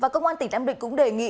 cơ quan tỉnh nam định đề nghị